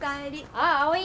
あ葵。